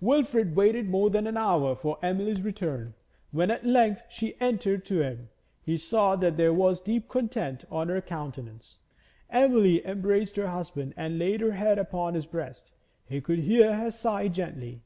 Wilfrid waited more than an hour for Emily's return. When at length she entered to him, he saw that there was deep content on her countenance. Emily embraced her husband and laid her head upon his breast. He could hear her sigh gently.